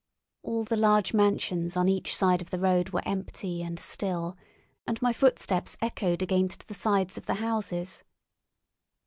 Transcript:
All the large mansions on each side of the road were empty and still, and my footsteps echoed against the sides of the houses.